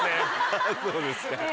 あぁそうですか。